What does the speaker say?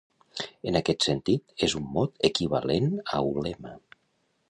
En aquest sentit, és un mot equivalent a ulema.